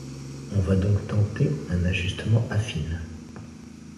On va donc tenter un ajustement affine.